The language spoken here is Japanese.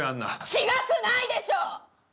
違くないでしょ